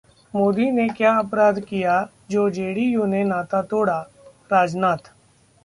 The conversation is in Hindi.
मोदी ने क्या अपराध किया, जो जेडीयू ने नाता तोड़ा: राजनाथ